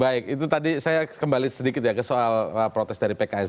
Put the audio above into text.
baik itu tadi saya kembali sedikit ya ke soal protes dari pks